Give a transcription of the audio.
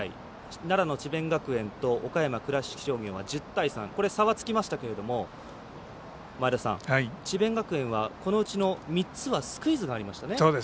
奈良の智弁学園と岡山、倉敷商業は１０対３、差がつきましたけど智弁学園は、このうちの３つはスクイズがありましたね。